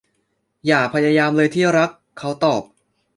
อย่าพยายามเลยที่รัก เขาตอบ